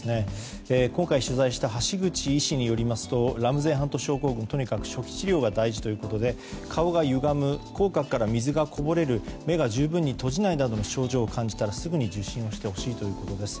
今回取材した橋口医師によりますとラムゼイ・ハント症候群はとにかく初期治療が大事ということで顔がゆがむ口角から水がこぼれる目が十分に閉じないなどの症状を感じたらすぐに受診してほしいということです。